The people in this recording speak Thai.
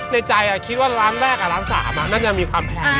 ในใจคิดว่าร้านแรกร้าน๓มันยังมีคำแพง